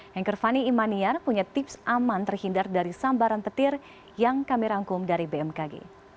hengkervani imanian punya tips aman terhindar dari sambaran petir yang kami rangkum dari bmkg